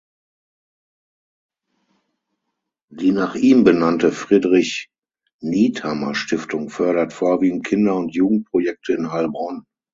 Die nach ihm benannte "Friedrich-Niethammer-Stiftung" fördert vorwiegend Kinder- und Jugendprojekte in Heilbronn.